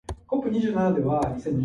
Lindsay did most of the scenes as Carrie.